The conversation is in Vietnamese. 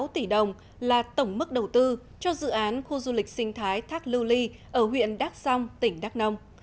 một trăm linh sáu tỷ đồng là tổng mức đầu tư cho dự án khu du lịch sinh thái thác lưu ly ở huyện đác song tỉnh đác nông